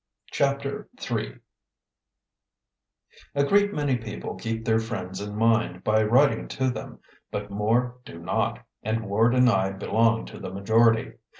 CHAPTER III A great many people keep their friends in mind by writing to them, but more do not; and Ward and I belong to the majority.